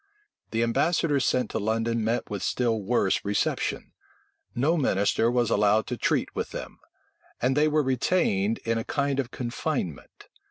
The ambassadors sent to London met with still worse reception: no minister was allowed to treat with them; and they were retained in a kind of confinement.